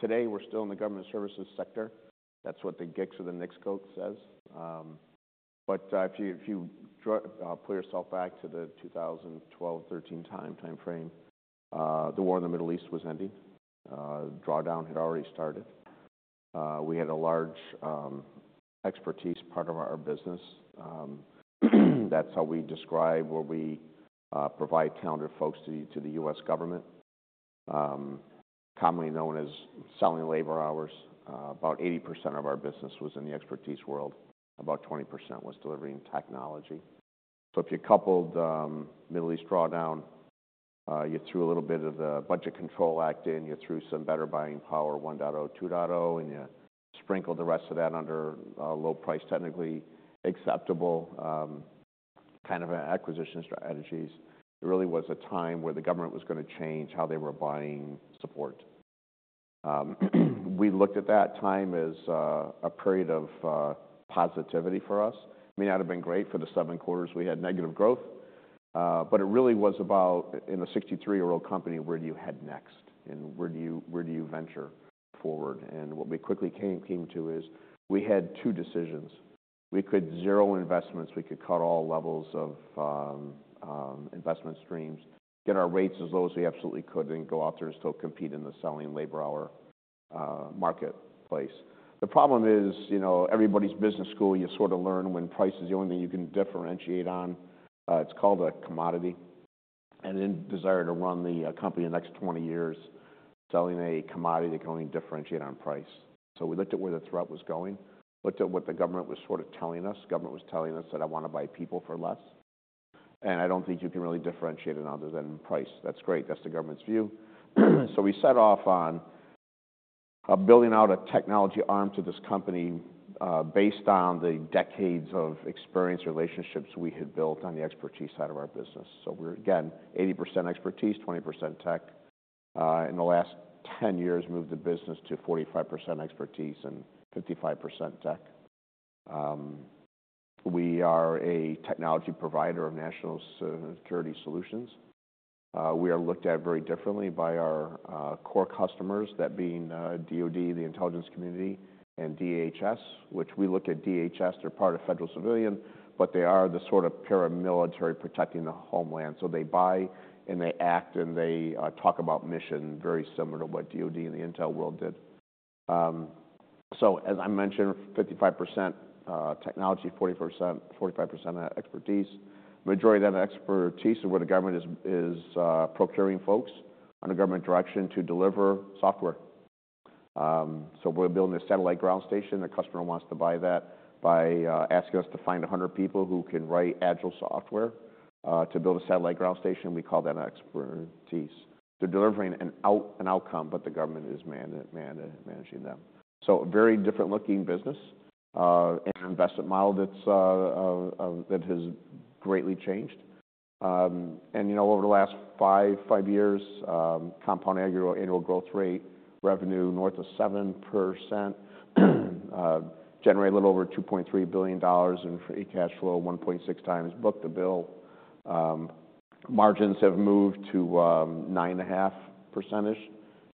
Today, we're still in the government services sector. That's what the GICS or the NAICS code says. But if you pull yourself back to the 2012, 2013 timeframe, the war in the Middle East was ending. Drawdown had already started. We had a large expertise part of our business. That's how we describe where we provide talented folks to the U.S. Government, commonly known as selling labor hours. About 80% of our business was in the expertise world. About 20% was delivering technology. So if you coupled Middle East drawdown, you threw a little bit of the Budget Control Act in, you threw some Better Buying Power 1.0, 2.0, and you sprinkled the rest of that under low price, technically acceptable kind of acquisition strategies. It really was a time where the government was gonna change how they were buying support. We looked at that time as a period of positivity for us. I mean, that would have been great for the seven quarters we had negative growth, but it really was about, in a 63-year-old company, where do you head next? And where do you venture forward? And what we quickly came to is we had two decisions. We could zero investments. We could cut all levels of investment streams, get our rates as low as we absolutely could, and go out there and still compete in the selling labor hour marketplace. The problem is, you know, everybody's business school, you sort of learn when price is the only thing you can differentiate on. It's called a commodity. And then desire to run the company the next 20 years selling a commodity that can only differentiate on price. So we looked at where the threat was going, looked at what the government was sort of telling us. The government was telling us that, "I wanna buy people for less, and I don't think you can really differentiate it other than price." That's great. That's the government's view. So we set off on building out a technology arm to this company, based on the decades of experience relationships we had built on the expertise side of our business. So we're again 80% expertise, 20% tech in the last 10 years, moved the business to 45% expertise and 55% tech. We are a technology provider of national security solutions. We are looked at very differently by our core customers, that being DoD, the Intelligence Community, and DHS, which we look at DHS. They're part of Federal Civilian, but they are the sort of paramilitary protecting the homeland. So they buy and they act and they talk about mission very similar to what DOD and the intel world did. As I mentioned, 55% technology, 40%-45% expertise. Majority of that expertise is where the government is procuring folks under government direction to deliver software. We're building a satellite ground station. The customer wants to buy that by asking us to find 100 people who can write agile software to build a satellite ground station. We call that expertise. They're delivering an outcome, but the government is managing them. So a very different looking business and investment model that has greatly changed, and you know, over the last five years, compound annual growth rate revenue north of 7%, generated a little over $2.3 billion in free cash flow, 1.6 times book-to-bill. Margins have moved to 9.5%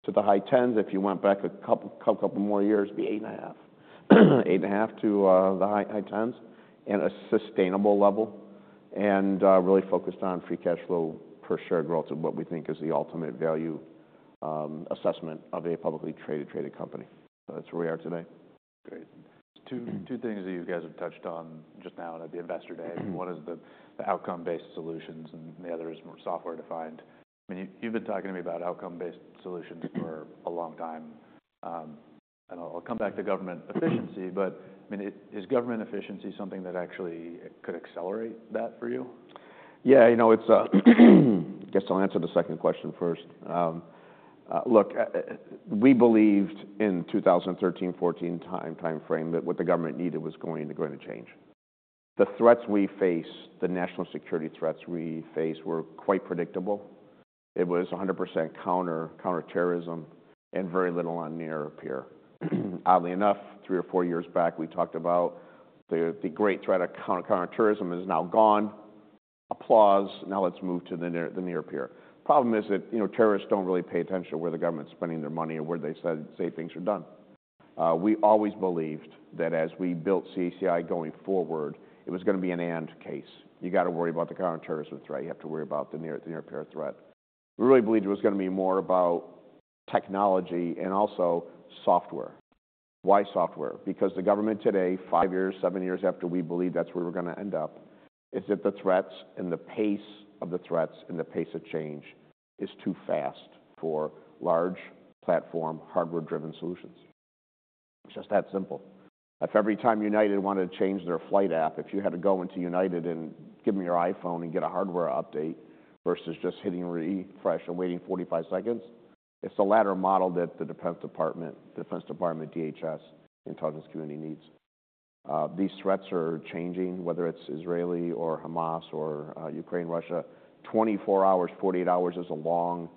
to the high 10s%. If you went back a couple more years, it'd be 8.5% to the high 10s% and a sustainable level and really focused on free cash flow per share growth of what we think is the ultimate value assessment of a publicly traded company. So that's where we are today. Great. Two, two things that you guys have touched on just now at the investor day. One is the, the outcome-based solutions and the other is more software-defined. I mean, you, you've been talking to me about outcome-based solutions for a long time, and I'll, I'll come back to government efficiency, but I mean, is, is government efficiency something that actually could accelerate that for you? Yeah. You know, it's, I guess I'll answer the second question first. Look, we believed in 2013, 2014 timeframe that what the government needed was going to, going to change. The threats we faced, the national security threats we faced were quite predictable. It was 100% counterterrorism and very little on near-peer. Oddly enough, three or four years back, we talked about the great threat of counterterrorism is now gone. Applause. Now let's move to the near-peer. Problem is that, you know, terrorists don't really pay attention to where the government's spending their money or where they say things are done. We always believed that as we built CACI going forward, it was gonna be an and case. You gotta worry about the counterterrorism threat. You have to worry about the near-peer threat. We really believed it was gonna be more about technology and also software. Why software? Because the government today, five years, seven years after we believe that's where we're gonna end up, is that the threats and the pace of the threats and the pace of change is too fast for large platform hardware-driven solutions. It's just that simple. If every time United wanted to change their flight app, if you had to go into United and give them your iPhone and get a hardware update versus just hitting refresh and waiting 45 seconds, it's the latter model that the Defense Department, the Defense Department, DHS, the intelligence community needs. These threats are changing, whether it's Israel, Hamas, Ukraine, Russia. 24 hours, 48 hours is a long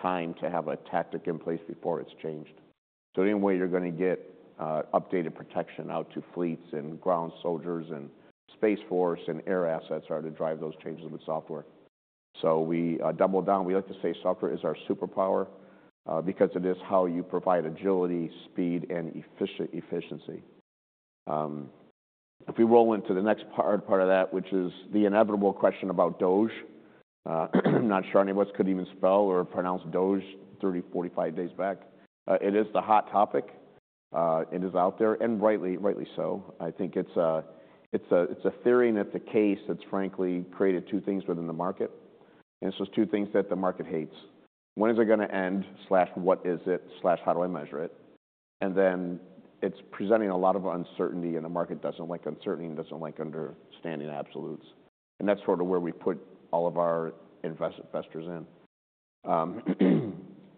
time to have a tactic in place before it's changed. So anyway you're gonna get updated protection out to fleets and ground soldiers and Space Force and air assets are to drive those changes with software. So we double down. We like to say software is our superpower, because it is how you provide agility, speed, and efficiency. If we roll into the next part, part of that, which is the inevitable question about DOGE. Not sure any of us could even spell or pronounce DOGE 30, 45 days back. It is the hot topic. It is out there and rightly so. I think it's a theory and it's a case that's frankly created two things within the market. And it's just two things that the market hates. When is it gonna end? Slash what is it? Slash how do I measure it? Then it's presenting a lot of uncertainty and the market doesn't like uncertainty and doesn't like understanding absolutes. That's sort of where we put all of our investors in.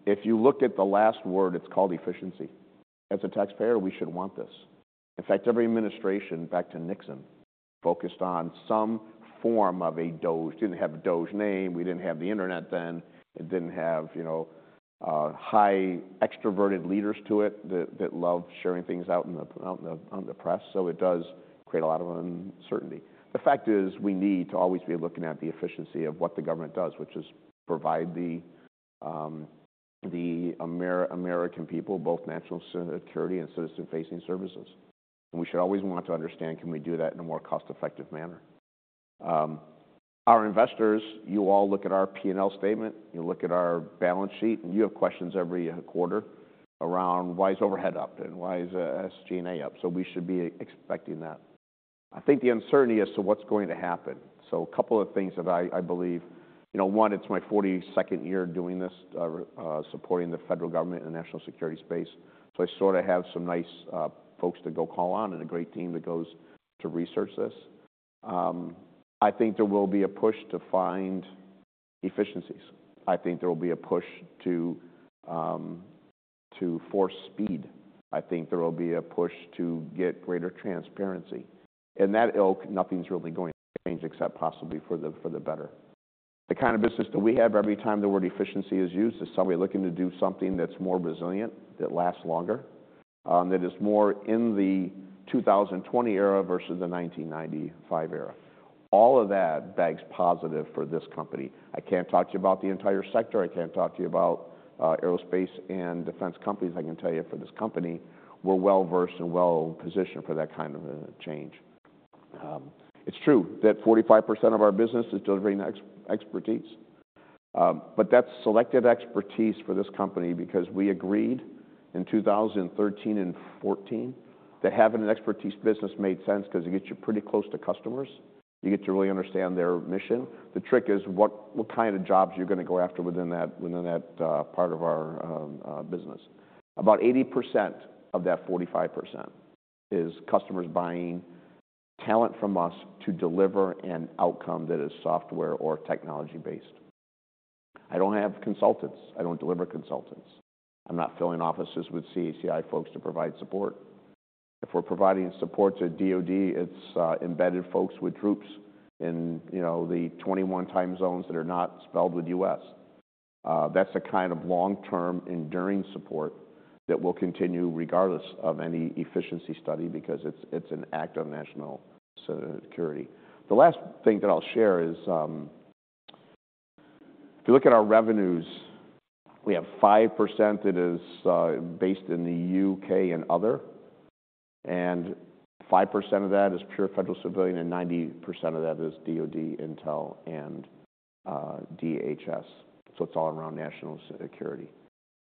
If you look at the last word, it's called efficiency. As a taxpayer, we should want this. In fact, every administration back to Nixon focused on some form of a DOGE. Didn't have a DOGE name. We didn't have the internet then. It didn't have, you know, high extroverted leaders to it that love sharing things out in the press. So it does create a lot of uncertainty. The fact is we need to always be looking at the efficiency of what the government does, which is provide the American people both national security and citizen-facing services. And we should always want to understand, can we do that in a more cost-effective manner? Our investors, you all look at our P&L statement. You look at our balance sheet and you have questions every quarter around why is overhead up and why is SG&A up? So we should be expecting that. I think the uncertainty as to what's going to happen. So a couple of things that I believe, you know, one, it's my 42nd year doing this, supporting the federal government in the national security space. So I sort of have some nice folks to go call on and a great team that goes to research this. I think there will be a push to find efficiencies. I think there will be a push to force speed. I think there will be a push to get greater transparency. In that ilk, nothing's really going to change except possibly for the better. The kind of business that we have every time the word efficiency is used is somebody looking to do something that's more resilient, that lasts longer, that is more in the 2020 era versus the 1995 era. All of that bodes positive for this company. I can't talk to you about the entire sector. I can't talk to you about aerospace and defense companies. I can tell you for this company, we're well-versed and well-positioned for that kind of change. It's true that 45% of our business is delivering the expertise. But that's selective expertise for this company because we agreed in 2013 and 2014 that having an expertise business made sense 'cause it gets you pretty close to customers. You get to really understand their mission. The trick is what kind of jobs you're gonna go after within that part of our business. About 80% of that 45% is customers buying talent from us to deliver an outcome that is software or technology-based. I don't have consultants. I don't deliver consultants. I'm not filling offices with CACI folks to provide support. If we're providing support to DOD, it's embedded folks with troops in, you know, the 21 time zones that are not spelled with U.S. That's the kind of long-term enduring support that will continue regardless of any efficiency study because it's an act of national security. The last thing that I'll share is, if you look at our revenues, we have 5% that is based in the U.K. and other, and 5% of that is pure federal civilian and 90% of that is DOD, Intel, and DHS. It's all around national security.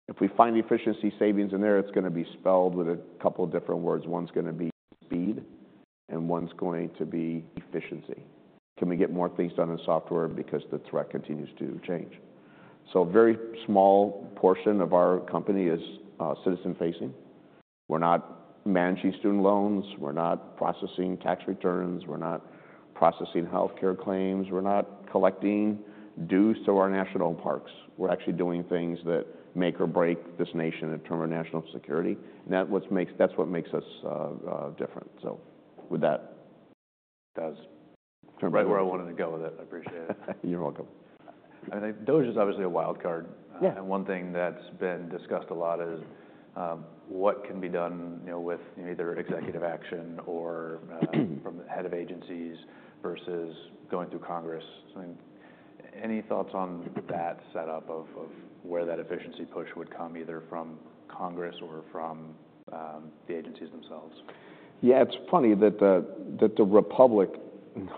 If we find efficiency savings in there, it's gonna be spelled with a couple of different words. One's gonna be speed and one's going to be efficiency. Can we get more things done in software because the threat continues to change? A very small portion of our company is citizen-facing. We're not managing student loans. We're not processing tax returns. We're not processing healthcare claims. We're not collecting dues to our national parks. We're actually doing things that make or break this nation in terms of national security. And that's what makes us different. With that. Does right where I wanted to go with it. I appreciate it. You're welcome. I mean, DOGE is obviously a wild card. Yeah. One thing that's been discussed a lot is what can be done, you know, with either executive action or from the head of agencies versus going through Congress. I mean, any thoughts on that setup of where that efficiency push would come either from Congress or from the agencies themselves? Yeah. It's funny that that the Republic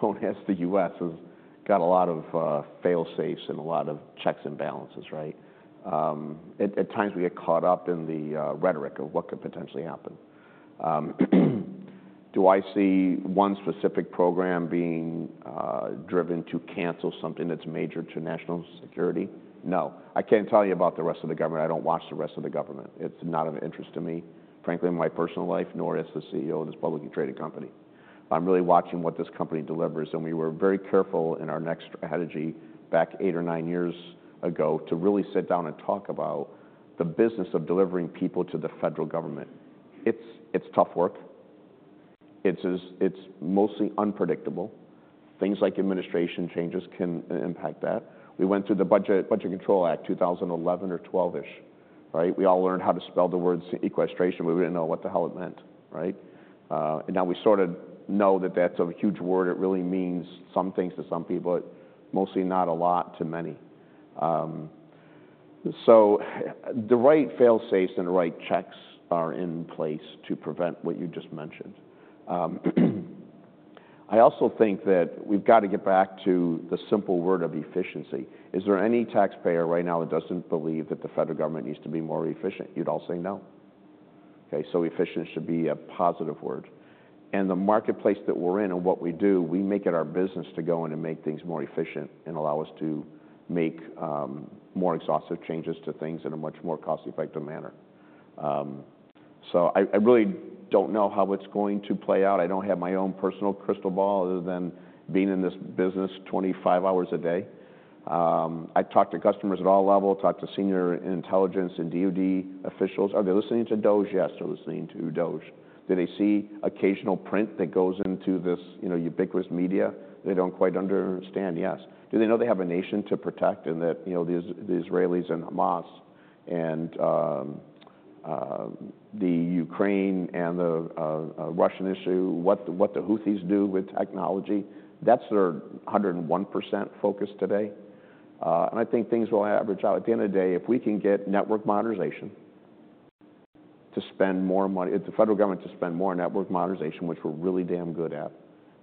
known as the U.S. has got a lot of fail-safes and a lot of checks and balances, right? At times we get caught up in the rhetoric of what could potentially happen. Do I see one specific program being driven to cancel something that's major to national security? No. I can't tell you about the rest of the government. I don't watch the rest of the government. It's not of interest to me, frankly, in my personal life, nor is the CEO of this publicly traded company. I'm really watching what this company delivers. And we were very careful in our next strategy back eight or nine years ago to really sit down and talk about the business of delivering people to the federal government. It's tough work. It's mostly unpredictable. Things like administration changes can impact that. We went through the Budget Control Act of 2011 or 2012-ish, right? We all learned how to spell the word sequestration. We didn't know what the hell it meant, right, and now we sort of know that that's a huge word. It really means some things to some people, mostly not a lot to many, so the right fail-safes and the right checks are in place to prevent what you just mentioned. I also think that we've gotta get back to the simple word of efficiency. Is there any taxpayer right now that doesn't believe that the federal government needs to be more efficient? You'd all say no. Okay, so efficient should be a positive word. The marketplace that we're in and what we do, we make it our business to go in and make things more efficient and allow us to make more exhaustive changes to things in a much more cost-effective manner. I really don't know how it's going to play out. I don't have my own personal crystal ball other than being in this business 25 hours a day. I talk to customers at all levels, talk to senior intelligence and DOD officials. Are they listening to DOGE? Yes. They're listening to DOGE. Do they see occasional print that goes into this, you know, ubiquitous media they don't quite understand? Yes. Do they know they have a nation to protect and that, you know, the Israelis and Hamas and the Ukraine and the Russian issue, what the Houthis do with technology? That's their 101% focus today. I think things will average out at the end of the day if we can get the federal government to spend more money on network modernization, which we're really damn good at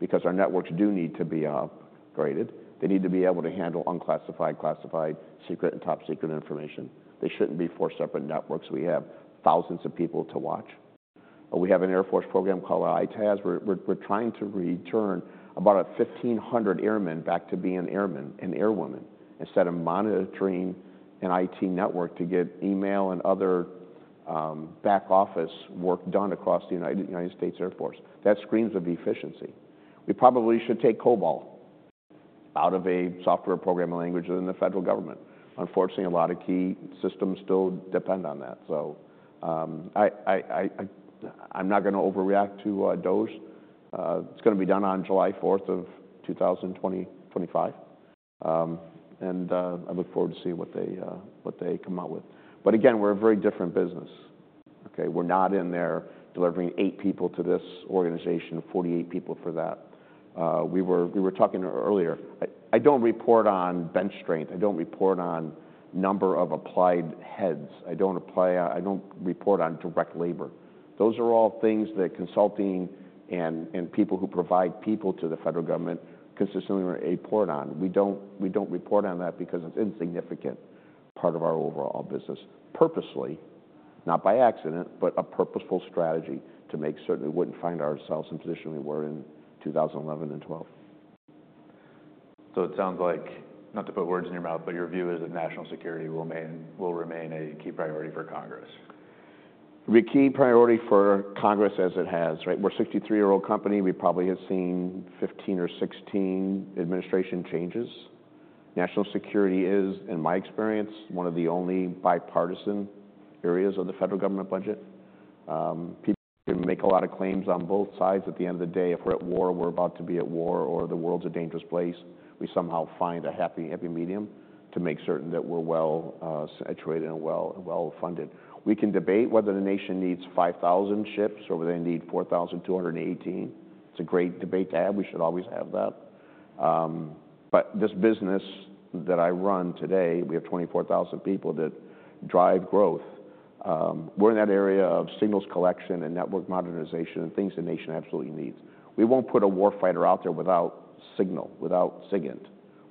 because our networks do need to be upgraded. They need to be able to handle unclassified, classified, secret, and top secret information. They shouldn't be four separate networks. We have thousands of people to watch. We have an Air Force program called EITaaS. We're trying to return about 1,500 airmen back to being airmen and airwomen instead of monitoring an IT network to get email and other back office work done across the United States Air Force. That screams of efficiency. We probably should take COBOL out of a software programming language within the federal government. Unfortunately, a lot of key systems still depend on that. So, I'm not gonna overreact to DOGE. It's gonna be done on July 4th of 2025, and I look forward to seeing what they come out with. But again, we're a very different business. Okay. We're not in there delivering eight people to this organization, 48 people for that. We were talking earlier. I don't report on bench strength. I don't report on number of applied heads. I don't report on direct labor. Those are all things that consulting and people who provide people to the federal government consistently report on. We don't report on that because it's an insignificant part of our overall business. Purposely, not by accident, but a purposeful strategy to make certain we wouldn't find ourselves in the position we were in 2011 and 2012. So it sounds like, not to put words in your mouth, but your view is that national security will remain a key priority for Congress. The key priority for Congress as it has, right? We're a 63-year-old company. We probably have seen 15 or 16 administration changes. National security is, in my experience, one of the only bipartisan areas of the federal government budget. People can make a lot of claims on both sides. At the end of the day, if we're at war, we're about to be at war, or the world's a dangerous place, we somehow find a happy, happy medium to make certain that we're well, situated and well, well-funded. We can debate whether the nation needs 5,000 ships or whether they need 4,218. It's a great debate to have. We should always have that. But this business that I run today, we have 24,000 people that drive growth. We're in that area of signals collection and network modernization and things the nation absolutely needs. We won't put a warfighter out there without SIGINT, without SIGINT.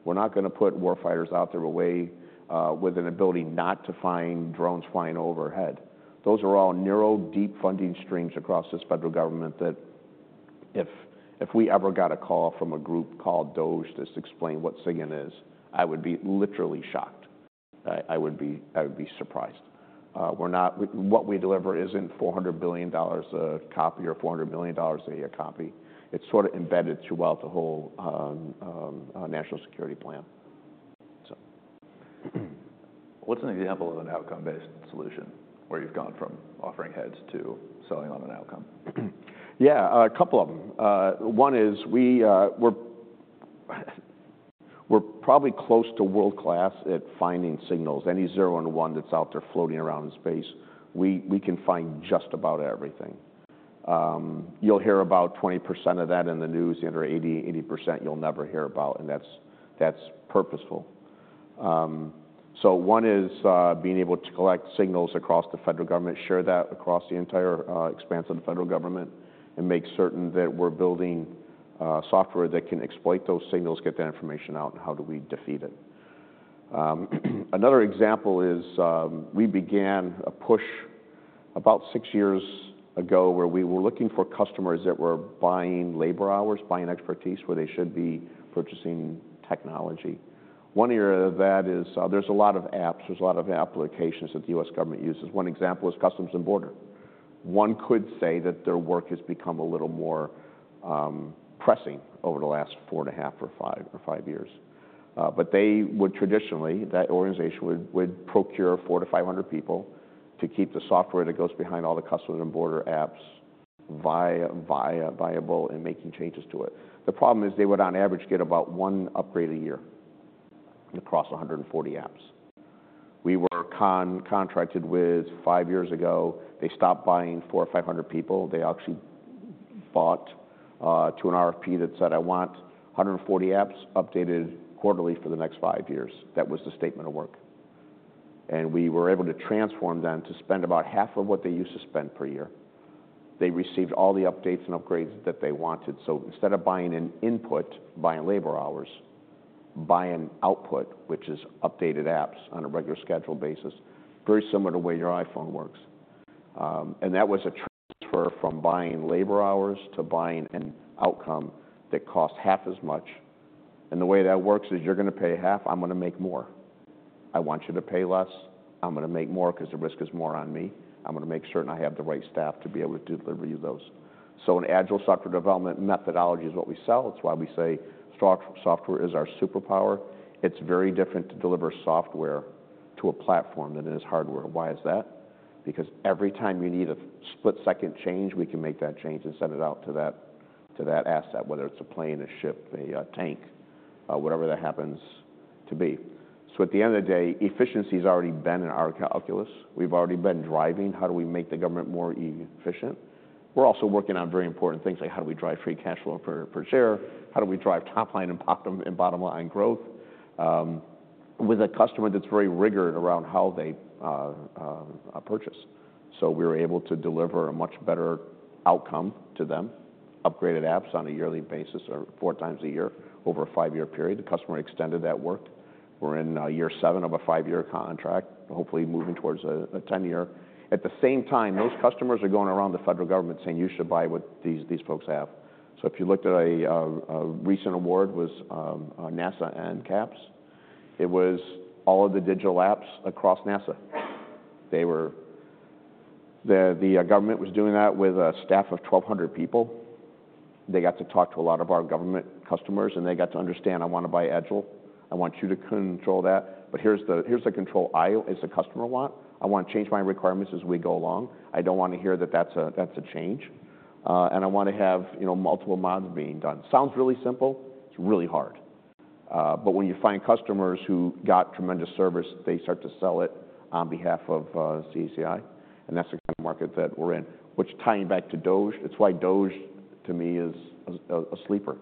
We're not gonna put warfighters out there away, with an ability not to find drones flying overhead. Those are all narrow, deep funding streams across this federal government that if we ever got a call from a group called DOGE to explain what SIGINT is, I would be literally shocked. I would be surprised. We're not. What we deliver isn't $400 billion a copy or $400 million a copy. It's sort of embedded throughout the whole national security plan. So. What's an example of an outcome-based solution where you've gone from offering heads to selling on an outcome? Yeah. A couple of them. One is we're probably close to world-class at finding signals. Any zero and one that's out there floating around in space, we can find just about everything. You'll hear about 20% of that in the news, the other 80% you'll never hear about. And that's purposeful. So one is being able to collect signals across the federal government, share that across the entire expanse of the federal government, and make certain that we're building software that can exploit those signals, get that information out, and how do we defeat it? Another example is we began a push about six years ago where we were looking for customers that were buying labor hours, buying expertise where they should be purchasing technology. One area of that is there's a lot of apps. There's a lot of applications that the U.S. Government uses. One example is Customs and Border. One could say that their work has become a little more pressing over the last four and a half or five years. They would traditionally procure four to five hundred people to keep the software that goes behind all the customs and border apps viable and making changes to it. The problem is they would, on average, get about one upgrade a year across 140 apps. We were contracted five years ago. They stopped buying four or five hundred people. They actually bid to an RFP that said, "I want 140 apps updated quarterly for the next five years." That was the statement of work. We were able to transform them to spend about half of what they used to spend per year. They received all the updates and upgrades that they wanted. So instead of buying an input, buying labor hours, buying output, which is updated apps on a regular schedule basis, very similar to the way your iPhone works, and that was a transfer from buying labor hours to buying an outcome that costs half as much, and the way that works is you're gonna pay half. I'm gonna make more. I want you to pay less. I'm gonna make more 'cause the risk is more on me. I'm gonna make certain I have the right staff to be able to deliver you those, so an agile software development methodology is what we sell. It's why we say software is our superpower. It's very different to deliver software to a platform than it is hardware. Why is that? Because every time you need a split-second change, we can make that change and send it out to that, to that asset, whether it's a plane, a ship, a tank, whatever that happens to be. So at the end of the day, efficiency has already been in our calculus. We've already been driving. How do we make the government more efficient? We're also working on very important things like how do we drive free cash flow per, per share? How do we drive top line and bottom and bottom line growth, with a customer that's very rigorous around how they purchase? So we were able to deliver a much better outcome to them, upgraded apps on a yearly basis or four times a year over a five-year period. The customer extended that work. We're in year seven of a five-year contract, hopefully moving towards a 10-year. At the same time, those customers are going around the federal government saying, "You should buy what these, these folks have." So if you looked at a, a recent award was, NASA NCAPS. It was all of the digital apps across NASA. They were, the, the government was doing that with a staff of 1,200 people. They got to talk to a lot of our government customers, and they got to understand, "I wanna buy agile. I want you to control that. But here's the, here's the control I as a customer want. I wanna change my requirements as we go along. I don't wanna hear that that's a, that's a change. And I wanna have, you know, multiple mods being done." Sounds really simple. It's really hard. But when you find customers who got tremendous service, they start to sell it on behalf of CACI. And that's the kind of market that we're in, which, tying back to DOGE, it's why DOGE to me is a sleeper.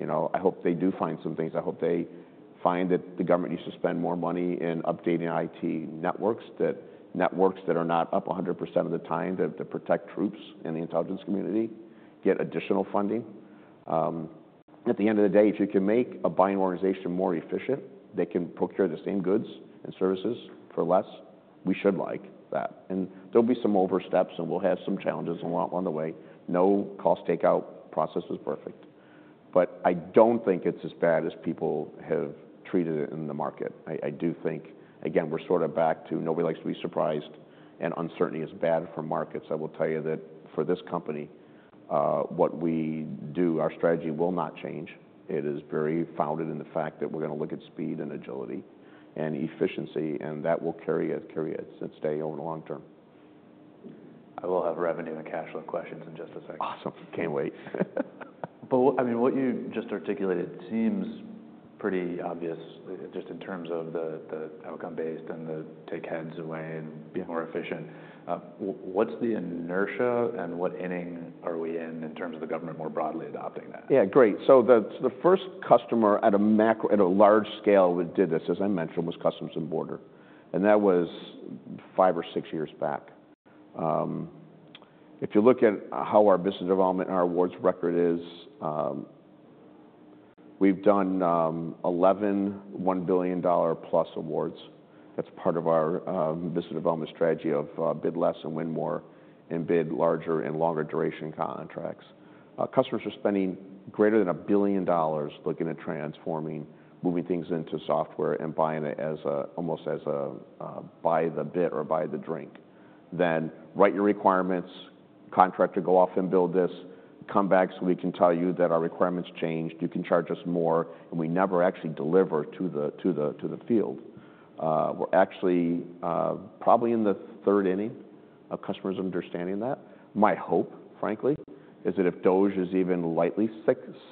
You know, I hope they do find some things. I hope they find that the government needs to spend more money in updating IT networks, that networks that are not up 100% of the time that protect troops and the intelligence community get additional funding. At the end of the day, if you can make a buying organization more efficient, they can procure the same goods and services for less. We should like that. And there'll be some oversteps, and we'll have some challenges along the way. No cost takeout process is perfect. But I don't think it's as bad as people have treated it in the market. I do think, again, we're sort of back to nobody likes to be surprised, and uncertainty is bad for markets. I will tell you that for this company, what we do, our strategy will not change. It is very founded in the fact that we're gonna look at speed and agility and efficiency, and that will carry it, and stay over the long term. I will have revenue and cash flow questions in just a second. Awesome. Can't wait. But what, I mean, what you just articulated seems pretty obvious just in terms of the, the outcome-based and the take heads away and be more efficient. What's the inertia and what inning are we in in terms of the government more broadly adopting that? Yeah. Great. So the first customer at a macro, at a large scale that did this, as I mentioned, was Customs and Border. And that was five or six years back. If you look at how our business development and our awards record is, we've done 11 $1 billion-plus awards. That's part of our business development strategy of bid less and win more and bid larger and longer duration contracts. Customers are spending greater than a billion dollars looking at transforming, moving things into software and buying it as almost as a buy the bit or buy the drink. Then write your requirements, contract to go off and build this, come back so we can tell you that our requirements changed. You can charge us more. And we never actually deliver to the field. We're actually probably in the third inning of customers understanding that. My hope, frankly, is that if DOGE is even lightly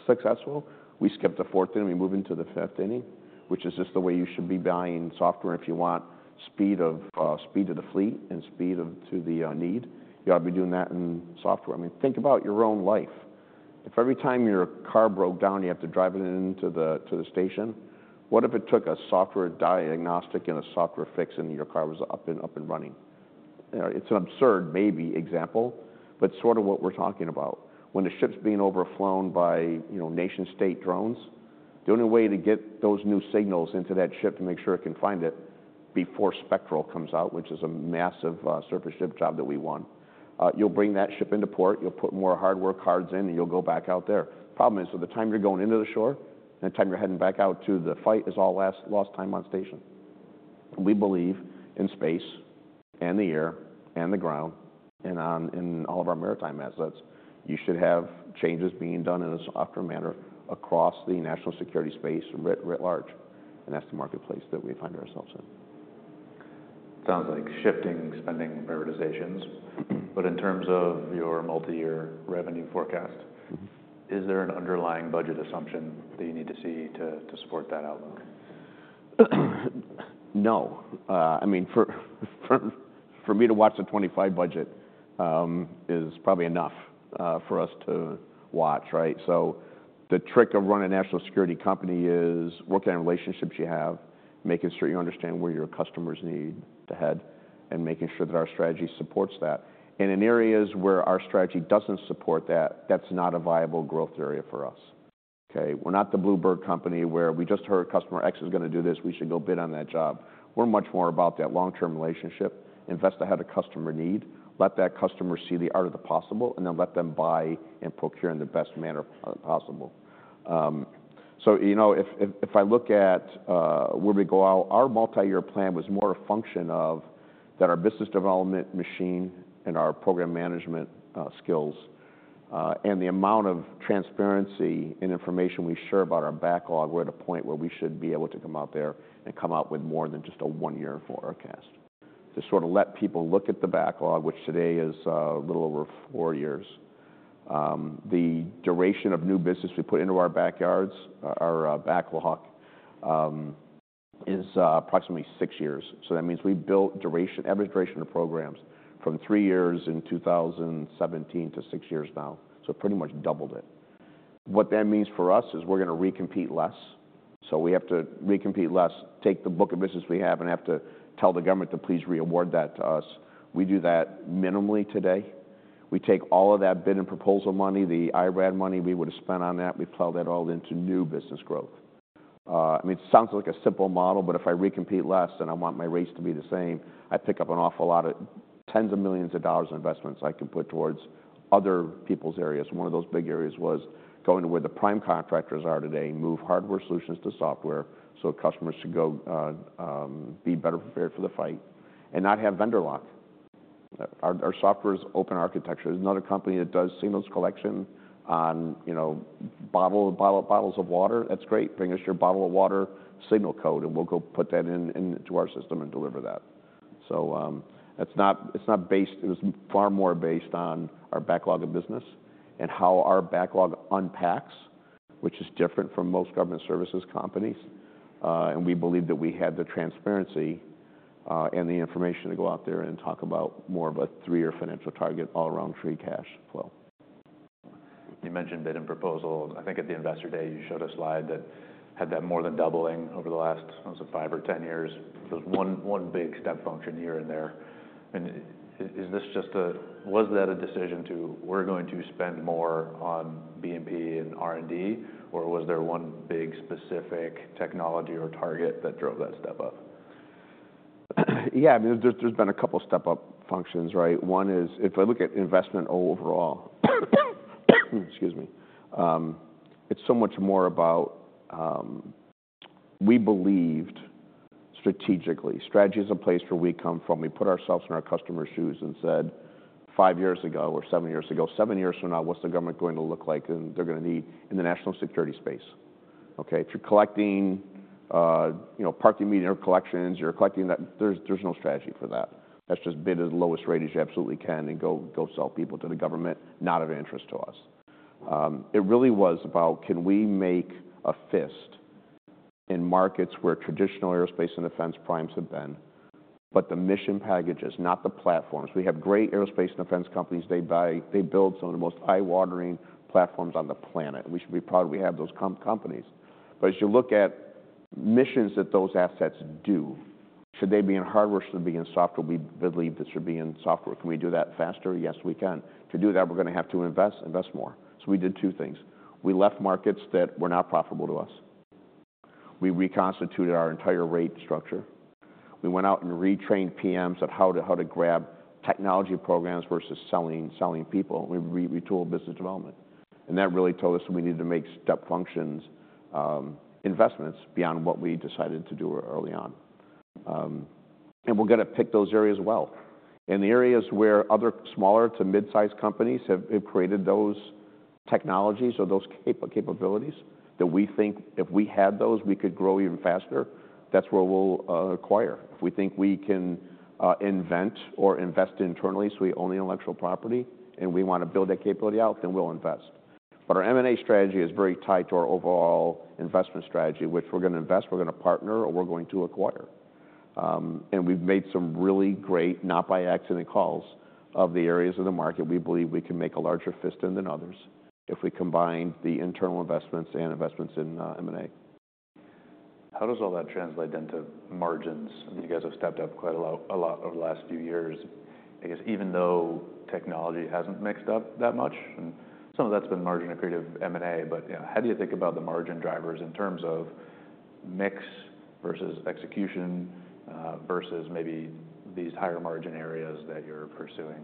successful, we skip the fourth inning, we move into the fifth inning, which is just the way you should be buying software if you want speed to the fleet and speed to the need. You ought to be doing that in software. I mean, think about your own life. If every time your car broke down, you have to drive it to the station, what if it took a software diagnostic and a software fix and your car was up and running? You know, it's an absurd maybe example, but it's sort of what we're talking about. When the ship's being overflown by, you know, nation-state drones, the only way to get those new signals into that ship to make sure it can find it before Spectral comes out, which is a massive, surface ship job that we want, you'll bring that ship into port, you'll put more hardware cards in, and you'll go back out there. Problem is, by the time you're going into shore and the time you're heading back out to the fight is all lost time on station. We believe in space and the air and the ground and on in all of our maritime assets, you should have changes being done in a softer manner across the national security space writ large. And that's the marketplace that we find ourselves in. Sounds like shifting spending prioritizations. But in terms of your multi-year revenue forecast, is there an underlying budget assumption that you need to see to support that outlook? No. I mean, for me to watch the 2025 budget is probably enough for us to watch, right? So the trick of running a national security company is working on relationships you have, making sure you understand where your customers need to head, and making sure that our strategy supports that. And in areas where our strategy doesn't support that, that's not a viable growth area for us. Okay? We're not the bluebird company where we just heard customer X is gonna do this. We should go bid on that job. We're much more about that long-term relationship, invest ahead of customer need, let that customer see the art of the possible, and then let them buy and procure in the best manner possible. So, you know, if I look at where we go out, our multi-year plan was more a function of the fact that our business development machine and our program management skills and the amount of transparency and information we share about our backlog, we're at a point where we should be able to come out there and come out with more than just a one-year forecast to sort of let people look at the backlog, which today is a little over four years. The duration of new business we put into our backlog is approximately six years. So that means we built duration, average duration of programs from three years in 2017 to six years now. So pretty much doubled it. What that means for us is we're gonna recompete less. So we have to recompete less, take the book of business we have, and have to tell the government to please re-award that to us. We do that minimally today. We take all of that bid and proposal money, the IRAD money we would've spent on that, we plow that all into new business growth. I mean, it sounds like a simple model, but if I recompete less and I want my rates to be the same, I pick up an awful lot of tens of millions of dollars of investments I can put towards other people's areas. One of those big areas was going to where the prime contractors are today, move hardware solutions to software so customers should go, be better prepared for the fight and not have vendor lock. Our software is open architecture. There's another company that does signals collection on, you know, bottles of water. That's great. Bring us your bottle of water signal code, and we'll go put that into our system and deliver that. So, it's not based; it was far more based on our backlog of business and how our backlog unpacks, which is different from most government services companies. And we believe that we had the transparency, and the information to go out there and talk about more of a three-year financial target all around free cash flow. You mentioned bid and proposal. I think at the investor day, you showed a slide that had that more than doubling over the last, was it five or ten years? There was one, one big step function here and there. And is this just a, was that a decision to, we're going to spend more on B&P and R&D, or was there one big specific technology or target that drove that step up? Yeah. I mean, there's been a couple step-up functions, right? One is if I look at investment overall, excuse me. It's so much more about, we believed strategically. Strategy is a place where we come from. We put ourselves in our customer's shoes and said five years ago or seven years ago, seven years from now, what's the government going to look like? And they're gonna need in the national security space. Okay? If you're collecting, you know, parking meter collections, you're collecting that. There's no strategy for that. That's just bid at the lowest rate as you absolutely can and go sell people to the government, not of interest to us. It really was about, can we make a fist in markets where traditional aerospace and defense primes have been, but the mission package is not the platforms. We have great aerospace and defense companies. They buy, they build some of the most eye-watering platforms on the planet. We should be proud we have those companies. But as you look at missions that those assets do, should they be in hardware, should they be in software? We believe that should be in software. Can we do that faster? Yes, we can. To do that, we're gonna have to invest, invest more. So we did two things. We left markets that were not profitable to us. We reconstituted our entire rate structure. We went out and retrained PMs on how to grab technology programs versus selling people. We retooled business development. And that really told us we needed to make step functions, investments beyond what we decided to do early on. And we're gonna pick those areas well. And the areas where other smaller to mid-sized companies have created those technologies or those capabilities that we think if we had those, we could grow even faster, that's where we'll acquire. If we think we can invent or invest internally, so we own the intellectual property and we wanna build that capability out, then we'll invest. But our M&A strategy is very tied to our overall investment strategy, which we're gonna invest, we're gonna partner, or we're going to acquire. And we've made some really great not-by-accident calls of the areas of the market. We believe we can make a larger fist than others if we combine the internal investments and investments in M&A. How does all that translate into margins? I mean, you guys have stepped up quite a lot, a lot over the last few years. I guess even though technology hasn't mixed up that much, and some of that's been margin and creative M&A, but, you know, how do you think about the margin drivers in terms of mix versus execution, versus maybe these higher margin areas that you're pursuing?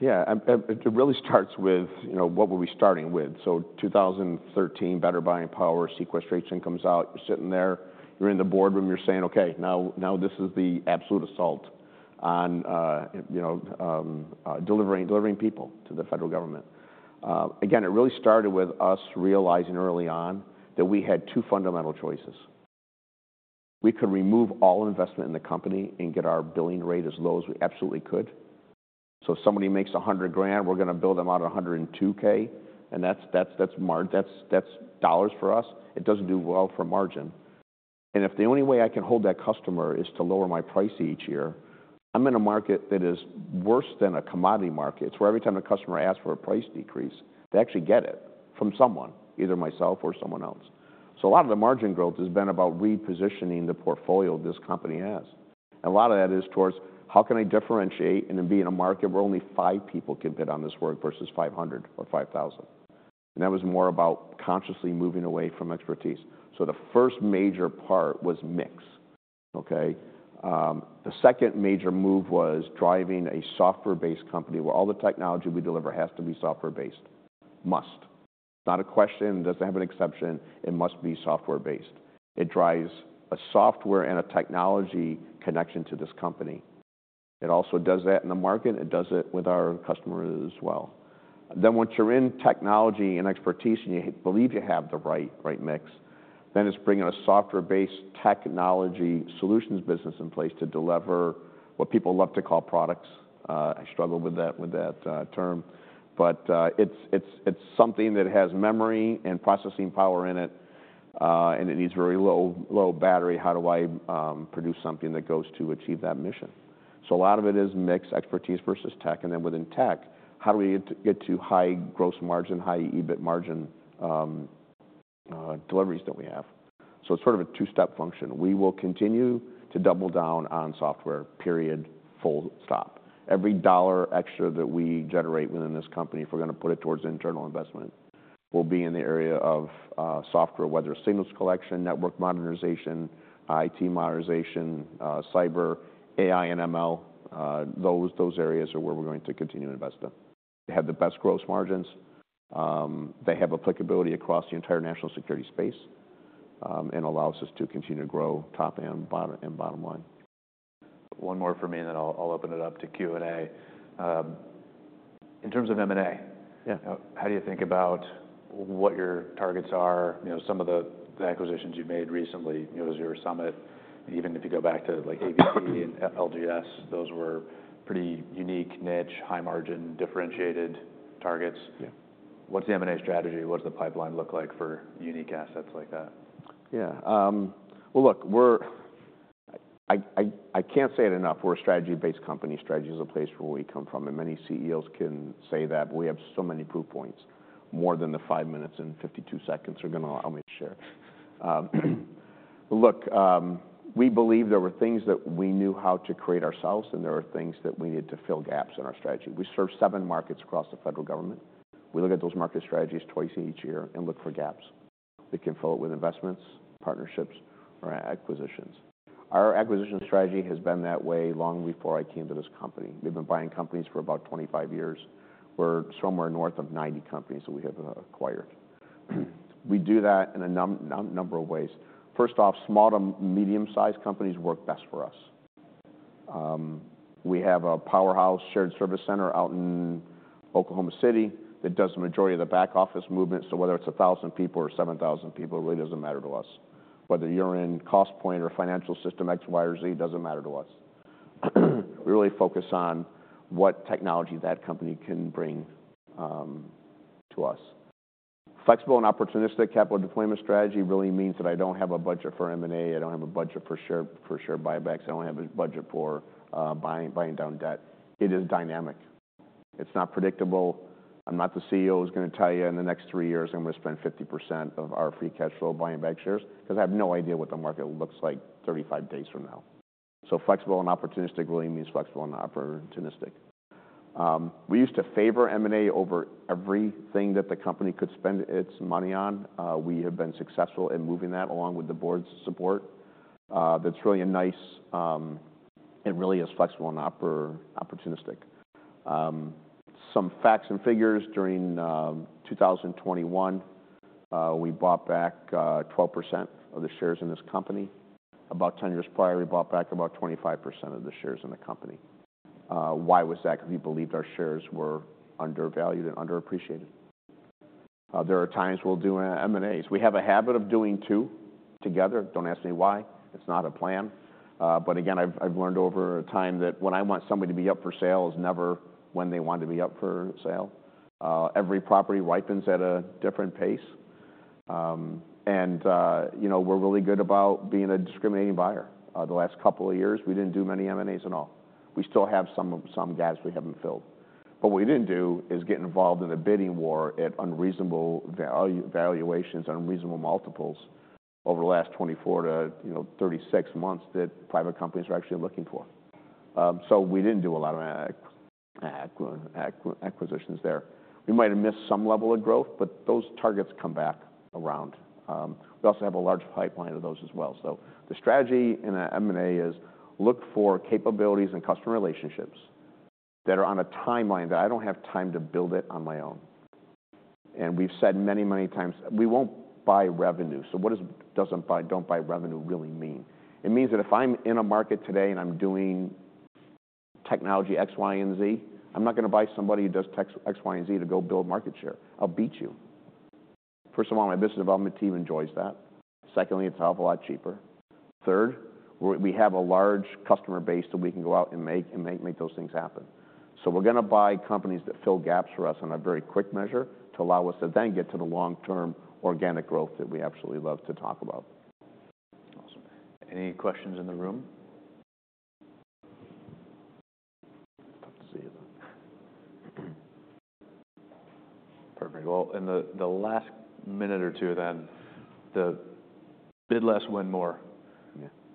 Yeah. And it really starts with, you know, what were we starting with? So 2013, Better Buying Power, sequestration comes out. You're sitting there, you're in the boardroom, you're saying, okay, now this is the absolute assault on, you know, delivering people to the federal government. Again, it really started with us realizing early on that we had two fundamental choices. We could remove all investment in the company and get our billing rate as low as we absolutely could. So if somebody makes $100,000, we're gonna bill them out at $102,000, and that's margin, that's dollars for us. It doesn't do well for margin. And if the only way I can hold that customer is to lower my price each year, I'm in a market that is worse than a commodity market. It's where every time the customer asks for a price decrease, they actually get it from someone, either myself or someone else. So a lot of the margin growth has been about repositioning the portfolio this company has. And a lot of that is towards how can I differentiate and be in a market where only five people can bid on this work versus 500 or 5,000. And that was more about consciously moving away from expertise. So the first major part was mix. Okay? The second major move was driving a software-based company where all the technology we deliver has to be software-based. Must. Not a question. It doesn't have an exception. It must be software-based. It drives a software and a technology connection to this company. It also does that in the market. It does it with our customers as well. Then once you're in technology and expertise and you believe you have the right mix, then it's bringing a software-based technology solutions business in place to deliver what people love to call products. I struggle with that term. But it's something that has memory and processing power in it, and it needs very low battery. How do I produce something that goes to achieve that mission? So a lot of it is mixed expertise versus tech. And then within tech, how do we get to high gross margin, high EBIT margin, deliveries that we have? So it's sort of a two-step function. We will continue to double down on software. Period. Full stop. Every dollar extra that we generate within this company, if we're gonna put it towards internal investment, will be in the area of software, whether it's signals collection, network modernization, IT modernization, cyber, AI and ML. Those, those areas are where we're going to continue to invest in. They have the best gross margins. They have applicability across the entire national security space, and allow us to continue to grow top and bottom and bottom line. One more for me, and then I'll, I'll open it up to Q&A. In terms of M&A. Yeah. How do you think about what your targets are? You know, some of the acquisitions you've made recently, you know, it was your Summit. Even if you go back to like AVT and LGS, those were pretty unique niche, high margin, differentiated targets. Yeah. What's the M&A strategy? What does the pipeline look like for unique assets like that? Yeah. Well, look, we're. I can't say it enough. We're a strategy-based company. Strategy is a place where we come from, and many CEOs can say that, but we have so many proof points. More than the five minutes and 52 seconds are gonna allow me to share. Look, we believe there were things that we knew how to create ourselves, and there were things that we needed to fill gaps in our strategy. We serve seven markets across the federal government. We look at those market strategies twice each year and look for gaps that can fill it with investments, partnerships, or acquisitions. Our acquisition strategy has been that way long before I came to this company. We've been buying companies for about 25 years. We're somewhere north of 90 companies that we have acquired. We do that in a number of ways. First off, small to medium-sized companies work best for us. We have a powerhouse shared service center out in Oklahoma City that does the majority of the back office movement. So whether it's a thousand people or 7,000 people, it really doesn't matter to us. Whether you're in Costpoint or financial system X, Y, or Z, it doesn't matter to us. We really focus on what technology that company can bring to us. Flexible and opportunistic capital deployment strategy really means that I don't have a budget for M&A. I don't have a budget for share buybacks. I don't have a budget for buying down debt. It is dynamic. It's not predictable. I'm not the CEO who's gonna tell you in the next three years, I'm gonna spend 50% of our free cash flow buying back shares 'cause I have no idea what the market looks like 35 days from now. So flexible and opportunistic really means flexible and opportunistic. We used to favor M&A over everything that the company could spend its money on. We have been successful in moving that along with the board's support. That's really a nice, it really is flexible and opportunistic. Some facts and figures during 2021, we bought back 12% of the shares in this company. About 10 years prior, we bought back about 25% of the shares in the company. Why was that? 'Cause we believed our shares were undervalued and underappreciated. There are times we'll do M&As. We have a habit of doing two together. Don't ask me why. It's not a plan. But again, I've learned over time that when I want somebody to be up for sale, it's never when they want to be up for sale. Every property ripens at a different pace. And, you know, we're really good about being a discriminating buyer. The last couple of years, we didn't do many M&As at all. We still have some gaps we haven't filled. But what we didn't do is get involved in a bidding war at unreasonable value, valuations, unreasonable multiples over the last 24 to, you know, 36 months that private companies are actually looking for. So we didn't do a lot of acquisitions there. We might have missed some level of growth, but those targets come back around. We also have a large pipeline of those as well. So the strategy in an M&A is look for capabilities and customer relationships that are on a timeline that I don't have time to build it on my own. And we've said many, many times, we won't buy revenue. So what does buy don't buy revenue really mean? It means that if I'm in a market today and I'm doing technology X, Y, and Z, I'm not gonna buy somebody who does X, Y, and Z to go build market share. I'll beat you. First of all, my business development team enjoys that. Secondly, it's a hell of a lot cheaper. Third, we have a large customer base that we can go out and make and make, make those things happen. So we're gonna buy companies that fill gaps for us in a very quick measure to allow us to then get to the long-term organic growth that we absolutely love to talk about. Awesome. Any questions in the room? Tough to see you, though. Perfect. Well, in the last minute or two then, bid less, win more.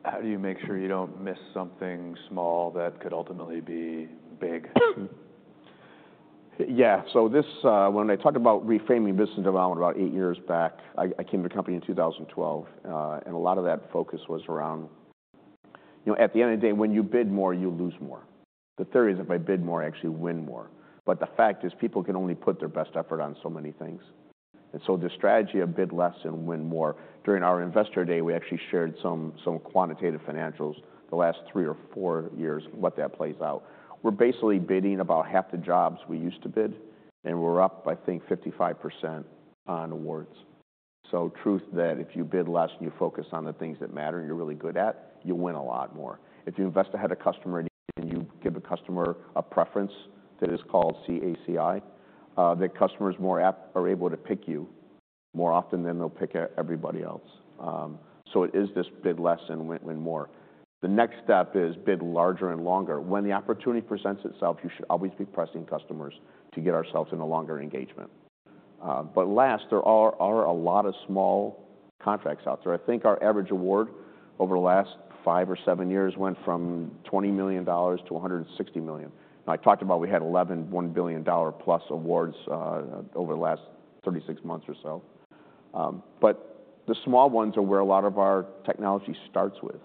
Yeah. How do you make sure you don't miss something small that could ultimately be big? Yeah. So this, when I talked about reframing business development about eight years back, I came to the company in 2012, and a lot of that focus was around, you know, at the end of the day, when you bid more, you lose more. The theory is if I bid more, I actually win more. But the fact is people can only put their best effort on so many things. And so the strategy of bid less and win more. During our investor day, we actually shared some quantitative financials the last three or four years, what that plays out. We're basically bidding about half the jobs we used to bid, and we're up, I think, 55% on awards. So truth that if you bid less and you focus on the things that matter and you're really good at, you win a lot more. If you invest ahead of customer and you give a customer a preference that is called CACI, that customers more apt are able to pick you more often than they'll pick everybody else. So it is this bid less and win, win more. The next step is bid larger and longer. When the opportunity presents itself, you should always be pressing customers to get ourselves in a longer engagement. But lastly, there are a lot of small contracts out there. I think our average award over the last five or seven years went from $20 million-$160 million. Now, I talked about we had 11 one billion dollar plus awards, over the last 36 months or so. But the small ones are where a lot of our technology starts with.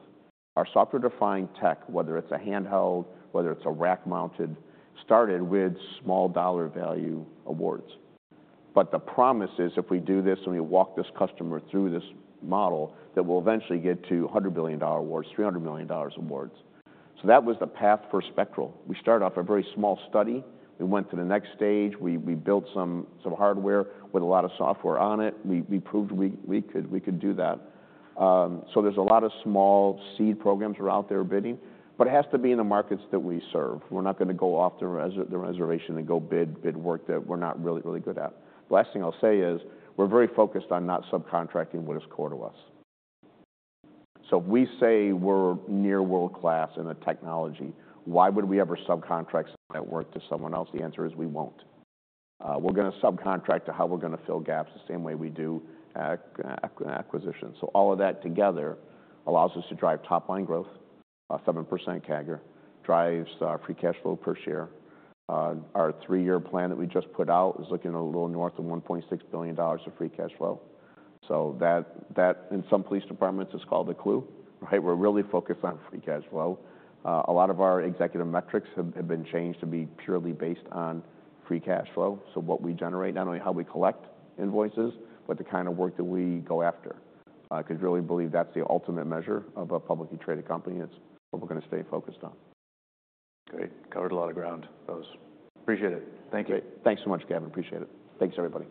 Our software-defined tech, whether it's a handheld, whether it's a rack-mounted, started with small dollar value awards. But the promise is if we do this and we walk this customer through this model, that we'll eventually get to $100 billion awards, $300 million awards. So that was the path for Spectral. We started off a very small study. We went to the next stage. We built some hardware with a lot of software on it. We proved we could do that. So there's a lot of small seed programs that are out there bidding, but it has to be in the markets that we serve. We're not gonna go off the reservation and go bid work that we're not really, really good at. The last thing I'll say is we're very focused on not subcontracting what is core to us. So if we say we're near world-class in a technology, why would we ever subcontract network to someone else? The answer is we won't. We're gonna subcontract to how we're gonna fill gaps the same way we do, acquisitions. So all of that together allows us to drive top-line growth. 7% CAGR drives our free cash flow per share. Our three-year plan that we just put out is looking a little north of $1.6 billion of free cash flow. So that, that in some police departments is called a clue, right? We're really focused on free cash flow. A lot of our executive metrics have been changed to be purely based on free cash flow. So what we generate, not only how we collect invoices, but the kind of work that we go after, 'cause I really believe that's the ultimate measure of a publicly traded company. It's what we're gonna stay focused on. Great. Covered a lot of ground. Appreciate it. Thank you. Great. Thanks so much, Gavin. Appreciate it. Thanks, everybody.